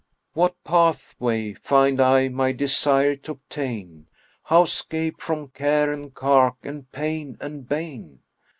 "What pathway find I my desire t'obtain, * How 'scape from care and cark and pain and bane?